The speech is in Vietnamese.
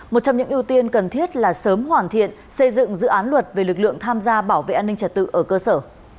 một trong những ưu tiên cần thiết là sớm hoàn thiện xây dựng dự án luật về lực lượng tham gia bảo vệ an ninh trật tự ở cơ sở